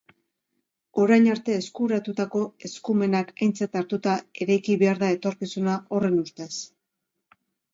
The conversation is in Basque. Orain arte eskuratutako eskumenak aintzat hartuta eraiki behar da etorkizuna, horren ustez.